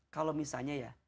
kalau misalnya ya